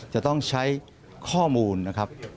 จะต้องใช้ข้อมูลนะครับ